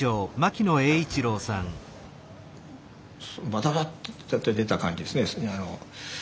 バタバタって出た感じですね。